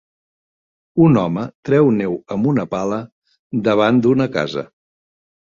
Un home treu neu amb una pala davant d'una casa.